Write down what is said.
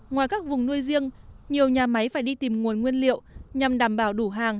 ngoài các vùng nuôi riêng nhiều nhà máy phải đi tìm nguồn nguyên liệu nhằm đảm bảo đủ hàng